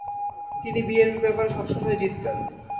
তিনি বিয়ের ব্যাপারে সবসময়ই জিততেন।